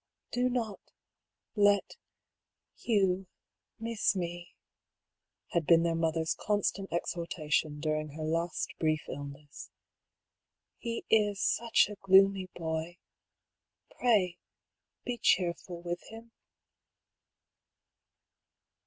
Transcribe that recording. " Do not let — Hugh — miss me," had been their mother's constant exhortation during her last brief illness. " He is such a gloomy boy. Pray be cheerful with him."